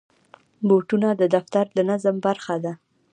بوټونه د دفتر د نظم برخه ده.